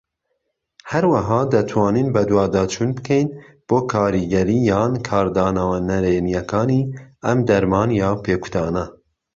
هەروەها دەتوانین بەدواداچوون بکەین بۆ کاریگەریی یان کاردانەوە نەرێنیەکانی ئەم دەرمان یان پێکوتانە.